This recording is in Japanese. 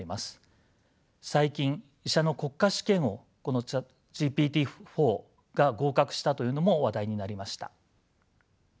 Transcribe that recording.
最近医者の国家試験をこのＣｈａｔＧＰＴ−４が合格したというのも話題になりました。